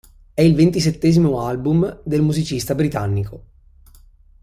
È il ventisettesimo album del musicista britannico.